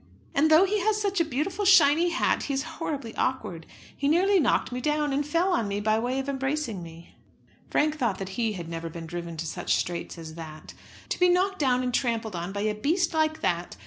"And though he has such a beautiful shiny hat he is horribly awkward. He nearly knocked me down and fell on me, by way of embracing me." Frank thought that he had never been driven to such straits as that. "To be knocked down and trampled on by a beast like that!